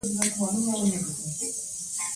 ښارونه د افغانانو د ګټورتیا برخه ده.